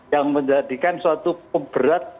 yang menjadikan suatu pemberat